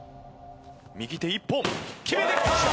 右手一本。決めてきた！